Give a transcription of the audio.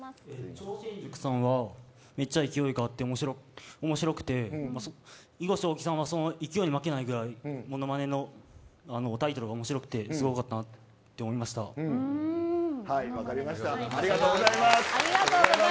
超新塾さんはめっちゃ勢いがあって面白くて囲碁将棋さんはその勢いに負けないぐらい物まねのタイトルが面白くてすごかったとありがとうございます。